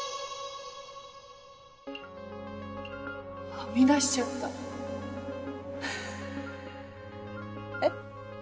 はみ出しちゃったフフえっ